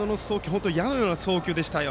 本当に矢のような送球でしたね。